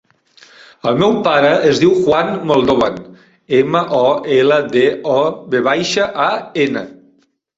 El meu pare es diu Juan Moldovan: ema, o, ela, de, o, ve baixa, a, ena.